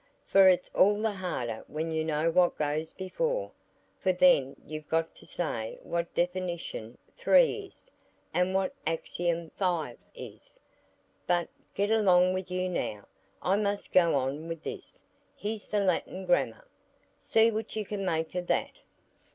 "For it's all the harder when you know what goes before; for then you've got to say what definition 3 is, and what axiom V. is. But get along with you now; I must go on with this. Here's the Latin Grammar. See what you can make of that."